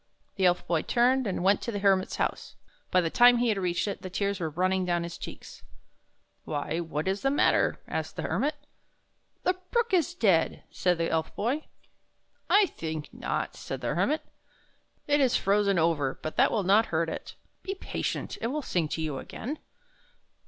The Elf Boy turned and went to the Hermit's house. By the time he had reached it, the tears were running down his cheeks. " Why, what is the matter? " asked the Hermit. " The brook is dead," said the Elf Boy. " I think not," said the Hermit. "It is frozen over, but that will not hurt it. Be patient, and it will sing to you again."